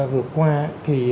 vừa qua thì